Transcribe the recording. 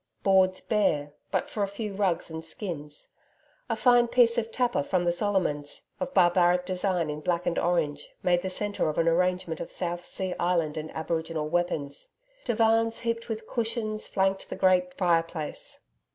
Boards bare, but for a few rugs and skins. A fine piece of tappa from the Solomons, of barbaric design in black and orange, made the centre of an arrangement of South Sea Island and aboriginal weapons. Divans heaped with cushions flanked the great fireplace.